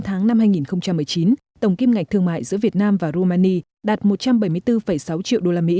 trong tám tháng năm hai nghìn một mươi chín tổng kim ngạch thương mại giữa việt nam và rumania đạt một trăm bảy mươi bốn sáu triệu usd